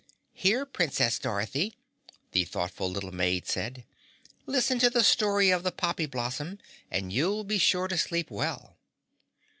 "Here, Princess Dorothy," the thoughtful little maid said, "Listen to the story of the poppy blossom and you'll be sure to sleep well."